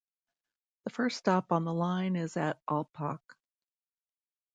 The first stop on the line is at Alpbach.